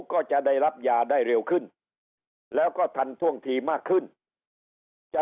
ก็จะได้รับยาได้เร็วขึ้นแล้วก็ทันท่วงทีมากขึ้นจะ